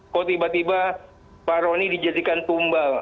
kalau tiba tiba pak ronny dijadikan tumbal